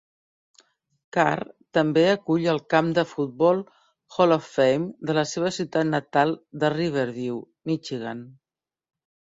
Carr també acull el Camp de Futbol Hall-of-Fame de la seva ciutat natal de Riverview, Michigan.